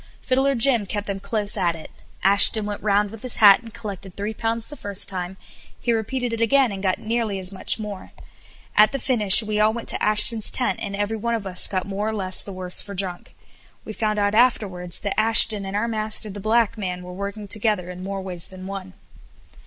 Fiddler Jim kept them close at it. Ashton went round with his hat and collected three pounds the first time; he repeated it again and got nearly as much more. At the finish we all went to Ashton's tent and every one of us got more or less the worse for drink. We found out afterwards that Ashton and our master, the black man, were working together in more ways than one.